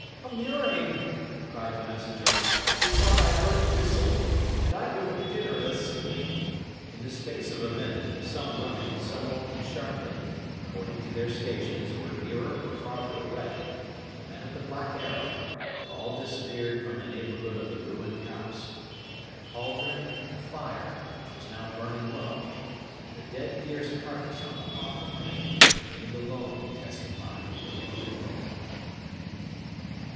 "A murrain!" cried the messenger. "Methought I heard it whistle. And I go dinnerless!" In the space of a minute, some running, some walking sharply, according as their stations were nearer or farther away, the men of the Black Arrow had all disappeared from the neighbourhood of the ruined house; and the caldron, and the fire, which was now burning low, and the dead deer's carcase on the hawthorn, remained alone to testify they had been there.